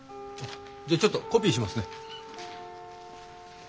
じゃちょっとコピーしますね。